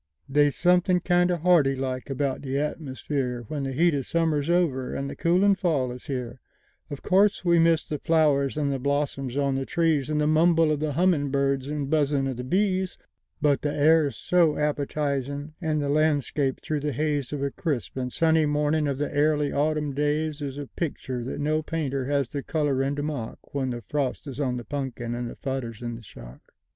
They's something kindo' harty like about the atmusfereWhen the heat of summer's over and the coolin' fall is here—Of course we miss the flowers, and the blossoms on the trees, And the mumble of the hummin' birds and buzzin' of the bees; But the air's so appetizin'; and the landscape through the hazeOf a crisp and sunny morning of the airly autumn daysIs a pictur' that no painter has the colorin' to mock—When the frost is on the punkin and the fodder's in the shock.